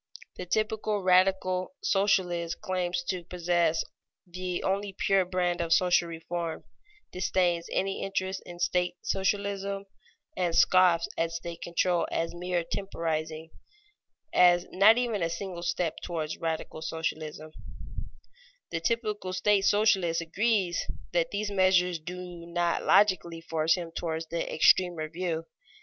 The typical radical socialist claims to possess the only pure brand of social reform, disdains any interest in state socialism, and scoffs at state control as mere temporizing, as not even a single step toward radical socialism. [Sidenote: Aim of state socialism] The typical state socialist agrees that these measures do not logically force him toward the extremer view.